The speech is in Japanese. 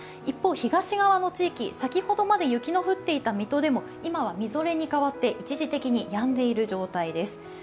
一方東側の地域、先ほどまで雪の降っていた水戸でも今はみぞれに変わって一時的にやんでいる状態です。